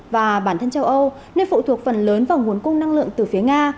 và bản thân châu âu nơi phụ thuộc phần lớn vào nguồn cung năng lượng từ phía nga